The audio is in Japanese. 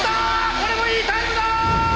これもいいタイムだ！